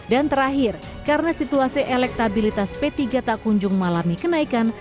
dan terakhir karena situasi elektabilitas p tiga tak kunjung malami kenaikan